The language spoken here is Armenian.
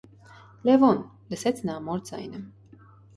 - Լևո՛ն,- լսեց նա մոր ձայնը: